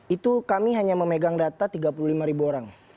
itu kami hanya memegang data tiga puluh lima ribu orang